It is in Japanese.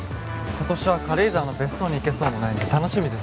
今年は軽井沢の別荘に行けそうもないんで楽しみです。